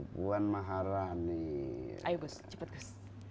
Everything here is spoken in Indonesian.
puan maharani ayo gus cepet gus